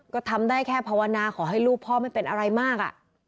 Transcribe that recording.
ก็ทำได้แค่ภาวนาขอให้ลูกพ่อไม่เป็นอะไรมาก